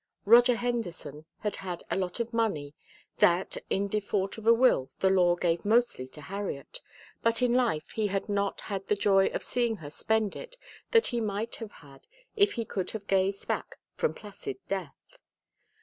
Roger Henderson had had a lot of money that, in default of a will, the law gave mostly to Harriet, but in life he had not had the joy of seeing her spend it that he might have had if he could have gazed back from placid death.